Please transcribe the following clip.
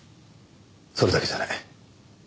それだけじゃない。